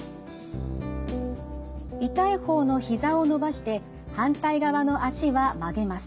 痛い方のひざを伸ばして反対側の脚は曲げます。